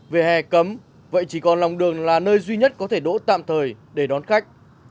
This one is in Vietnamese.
về hè cấm vậy chỉ còn lòng đường là nơi duy nhất có thể đỗ tạm thời để đón khách